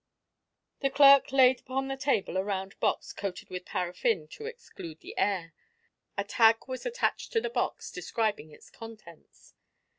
The clerk laid upon the table a round box coated with paraffin to exclude the air. A tag was attached to the box, describing its contents.